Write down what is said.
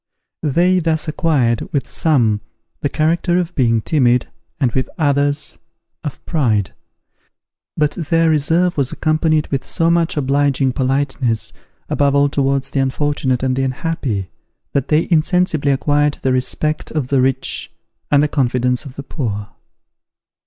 They thus acquired, with some, the character of being timid, and with others, of pride: but their reserve was accompanied with so much obliging politeness, above all towards the unfortunate and the unhappy, that they insensibly acquired the respect of the rich and the confidence of the poor.